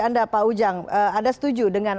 anda pak ujang anda setuju dengan